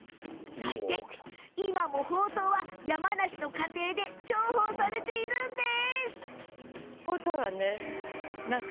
そして、ほうとうは今も山梨の家庭で重宝されております。